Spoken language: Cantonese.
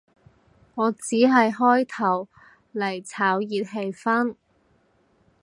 我只係開頭嚟炒熱氣氛